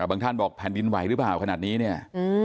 บางท่านบอกแผ่นดินไหวหรือเปล่าขนาดนี้เนี่ย